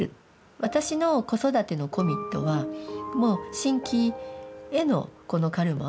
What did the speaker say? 私の子育てのコミットはもう真気へのこのカルマを切ることです。